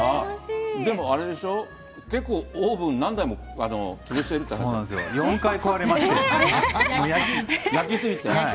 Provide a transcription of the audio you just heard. でもあれでしょ、結構、オーブン何台も潰してるって話なんでそうなんですよ、焼き過ぎて？